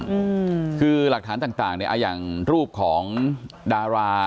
อือคือหลักฐานต่างอย่างรูปของดารา